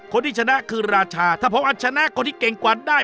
คนที่ชนะคือราชาถ้าผมอาจชนะคนที่เก่งกว่าได้